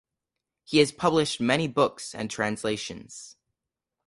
He has published many books and translations.